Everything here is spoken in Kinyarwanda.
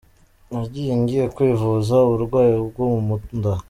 Nagiye ngiye kwivuza uburwayi bwo mu nda.